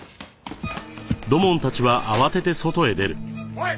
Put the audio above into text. おい！